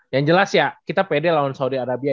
yang jelas ya kita pede lawan saudi arabia